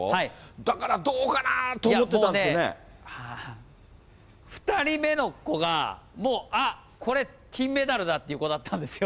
だから、いや、もうね、２人目の子が、もう、あっ、これ金メダルだっていう子だったんですよ。